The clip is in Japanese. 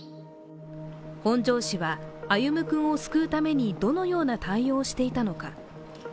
本庄市は歩夢君を救うためにどのような対応をしていたのか。